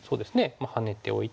まあハネておいて。